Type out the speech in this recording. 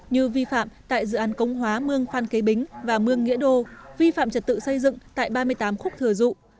như vi phạm tại dự án công hóa mương phan kế bính và mương nghĩa đô vi phạm trật tự xây dựng tại ba mươi tám khúc thừa dụ